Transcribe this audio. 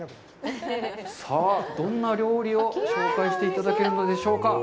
さあ、どんな料理を紹介していただけるのでしょうか。